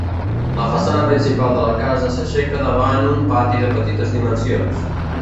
La façana principal de la casa s'aixeca davant un pati de petites dimensions.